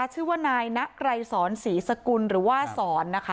ชื่อว่านายณไกรสอนศรีสกุลหรือว่าสอนนะคะ